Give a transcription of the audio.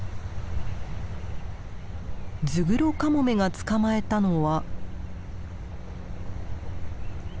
ズグロカモメが捕まえたのは。